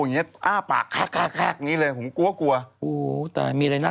ก็ประเภทนี้ขึ้นดอยที่หมอชอค่ะก็จะไหล่ตีข้างหน้า